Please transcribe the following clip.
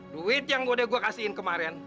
duit yang udah gua kasihin kemarin